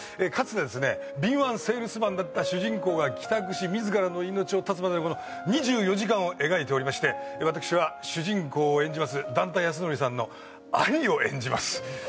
かつてですね敏腕セールスマンだった主人公が帰宅し自らの命を絶つまでのこの２４時間を描いておりまして私は主人公を演じます段田安則さんの兄を演じます。